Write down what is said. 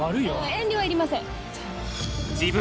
遠慮はいりません。